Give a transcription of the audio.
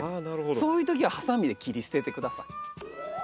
そういうときはハサミで切り捨てて下さい。